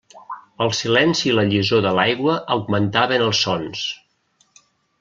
El silenci i la llisor de l'aigua augmentaven els sons.